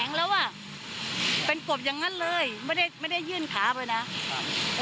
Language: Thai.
แล้วอ่ะเป็นกบอย่างนั้นเลยไม่ได้ไม่ได้ยื่นขาไปนะครับ